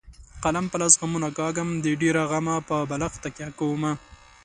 قلم په لاس غمونه کاږم د ډېره غمه په بالښت تکیه کومه.